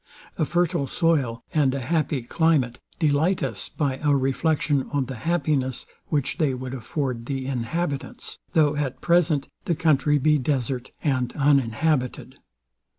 A fertile soil, and a happy climate, delight us by a reflection on the happiness which they would afford the inhabitants, though at present the country be desart and uninhabited.